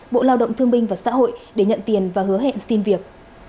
bộ lao động thương binh và xã hội để nhận tiền và hứa hẹn xin việc